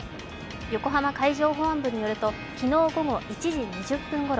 横浜海上保安部によると、昨日午後１時２０分ごろ、